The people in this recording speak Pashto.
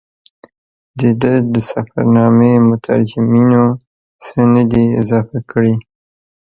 د ده د سفرنامې مترجمینو څه نه دي اضافه کړي.